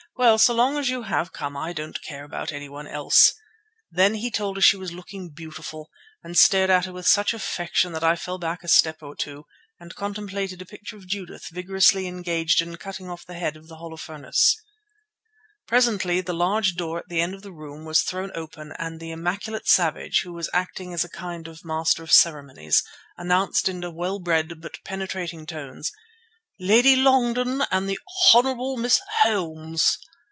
"Well, so long as you have come I don't care about anyone else." Then he told her she was looking beautiful, and stared at her with such affection that I fell back a step or two and contemplated a picture of Judith vigorously engaged in cutting off the head of Holofernes. Presently the large door at the end of the room was thrown open and the immaculate Savage, who was acting as a kind of master of the ceremonies, announced in well bred but penetrating tones, "Lady Longden and the Honourable Miss Holmes."